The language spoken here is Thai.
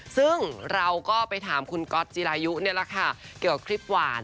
ซึ่งเราก็ไปถามคุณก๊อตจิรายุนี่แหละค่ะเกี่ยวกับคลิปหวาน